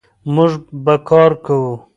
موږ به کار کوو.